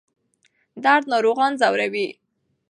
درد ناروغان ځوروي.